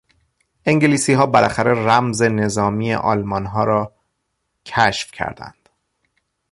انگلیسها بالاخره رمز نظامی آلمانها را کشف کردند.